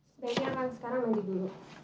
sebaiknya abah sekarang mandi dulu